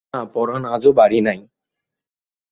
না, পরান আজও বাড়ি নাই।